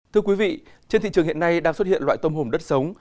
thưa quý vị trên thị trường hiện nay đang xuất hiện loại tôm hùm đất sống